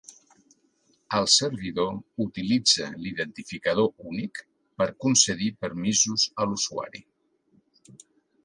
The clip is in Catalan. El servidor utilitza l'identificador únic per concedir permisos a l'usuari.